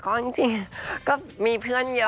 ก็จริงก็มีเพื่อนเยอะ